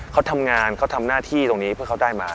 เขาทำงานเขาทำหน้าที่ตรงนี้เพื่อเขาได้มา